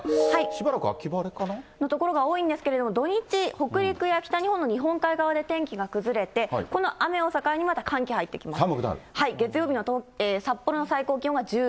しばらく秋晴れかな。の所が多いんですけれども、土日、北陸や北日本の日本海側で天気が崩れて、この雨を境に、また寒気入ってきます。